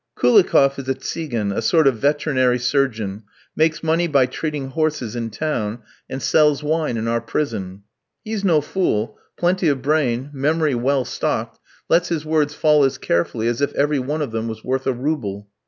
Koulikoff is a Tsigan, a sort of veterinary surgeon, makes money by treating horses in town, and sells wine in our prison. He's no fool, plenty of brain, memory well stocked, lets his words fall as carefully as if every one of 'em was worth a rouble.